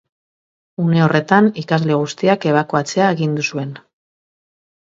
Une horretan, ikasle guztiak ebakuatzea agindu zuen.